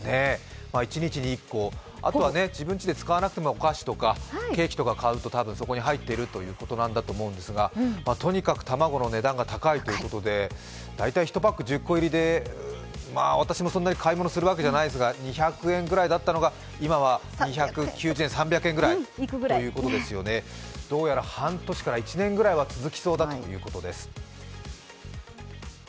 一日に１個、あとは自分ちで使わなくてもお菓子とか、ケーキを買うと、多分そこに入っているということなんだと思うんですが、とにかく卵の値段が高いということで、大体１パック１０個入りで、私もそんなに買い物するわけじゃないですが２００円ぐらいだったのが２９０円３００円ぐらいということですどうやら半年から１年ぐらいは続きそうだということです。